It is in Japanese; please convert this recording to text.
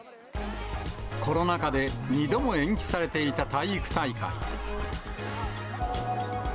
コロナ禍で２度も延期されていた体育大会。